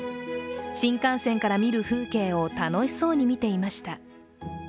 新幹線から見る風景を楽しそうに見ていました。